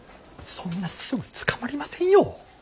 そんなすぐつかまりませんよ。